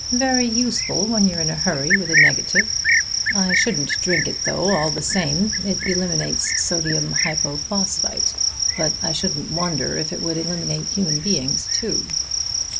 "Very useful when you're in a hurry with a negative. I shouldn't drink it, though, all the same. It eliminates sodium hypophosphite, but I shouldn't wonder if it would eliminate human beings too."